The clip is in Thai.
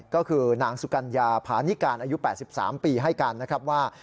ก็คือนางสุกัญญาผานิการอายุ๘๓ปีให้การนะครับว่า